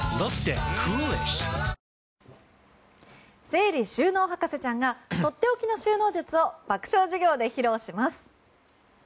整理収納博士ちゃんがとっておきの収納術を爆笑授業で披露します。